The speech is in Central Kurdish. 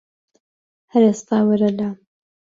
هەر ئیستا وەرە لام